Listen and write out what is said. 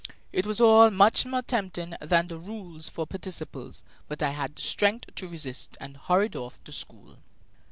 It was all much more tempting than the rule for participles, but I had the strength to resist, and hurried off to school.